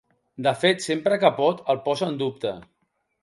De fet, sempre que pot el posa en dubte.